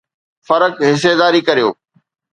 فرق حصيداري ڪريو